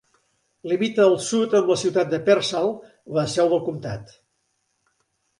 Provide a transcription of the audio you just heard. Limita al sud amb la ciutat de Pearsall, la seu del comtat.